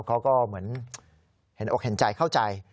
เขาก็เหมือนเห็นอกเห็นใจเข้าใจ